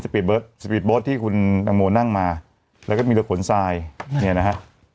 สปีดเบิร์ดสปีดเบิร์ดที่คุณตังโมนั่งมาแล้วก็มีเรือขนทรายเนี้ยนะฮะ